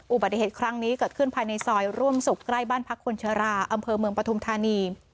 อุบัติเหตุครั้งนี้เกิดขึ้นภายในซอยร่วมสุขใกล้บ้านพักคนชราอำเภอเมืองปฐุมธานี